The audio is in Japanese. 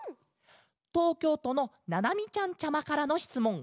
とうきょうとのななみちゃんちゃまからのしつもん。